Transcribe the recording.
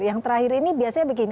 yang terakhir ini biasanya begini